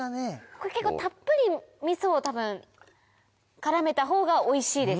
これ結構たっぷり味噌を多分絡めたほうがおいしいです。